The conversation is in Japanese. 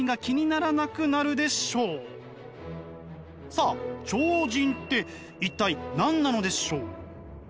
さあ超人って一体何なのでしょう？